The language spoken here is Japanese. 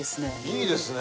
いいですね。